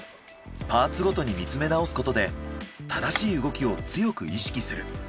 パーツごとに見つめ直すことで正しい動きを強く意識する。